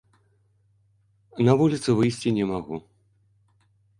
На вуліцу выйсці не магу.